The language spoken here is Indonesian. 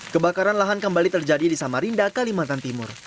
kebakaran lahan kembali terjadi di samarinda kalimantan timur